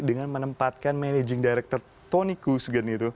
dengan menempatkan managing director tony kuzgen itu